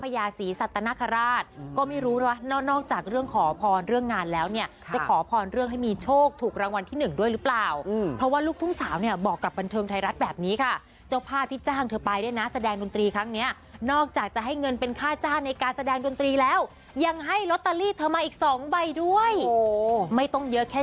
ญาศรีสัตนคราชก็ไม่รู้นะนอกจากเรื่องขอพรเรื่องงานแล้วเนี่ยจะขอพรเรื่องให้มีโชคถูกรางวัลที่หนึ่งด้วยหรือเปล่าเพราะว่าลูกทุ่งสาวเนี่ยบอกกับบันเทิงไทยรัฐแบบนี้ค่ะเจ้าภาพที่จ้างเธอไปด้วยนะแสดงดนตรีครั้งเนี้ยนอกจากจะให้เงินเป็นค่าจ้างในการแสดงดนตรีแล้วยังให้ลอตเตอรี่เธอมาอีกสองใบด้วยโอ้โหไม่ต้องเยอะแค่